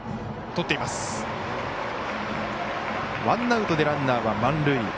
ワンアウトでランナーは満塁。